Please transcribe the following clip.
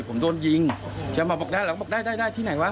ผมโดนยิงจะมาบอกได้เราก็บอกได้ได้ที่ไหนวะ